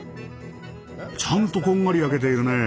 ちゃんとこんがり焼けているね。